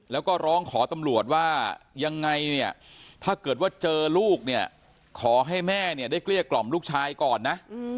แล้วก็ร้องขอตำรวจว่ายังไงเนี่ยถ้าเกิดว่าเจอลูกเนี่ยขอให้แม่เนี่ยได้เกลี้ยกล่อมลูกชายก่อนนะ